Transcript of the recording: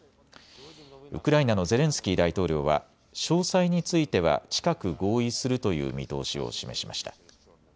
ウクライナのゼレンスキー大統領は詳細については近く合意するという見通しを示しました。